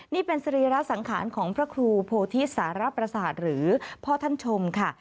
นี่เป็นสรีระสังขารของพระครูโพธิสารประสาทหรือพ่อท่านชมค่ะ